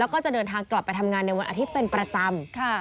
แล้วก็จะเดินทางกลับไปทำงานในวันอาทิตย์เป็นประจำ